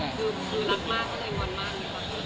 หนูรักมากก็เลยงอนมาก